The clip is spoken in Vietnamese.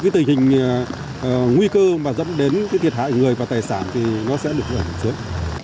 tình hình nguy cơ mà dẫn đến thiệt hại người và tài sản thì nó sẽ được giảm xuống